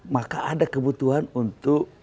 maka ada kebutuhan untuk